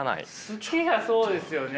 好きがそうですよね